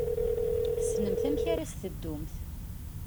Tessnemt amek ara s-teddumt.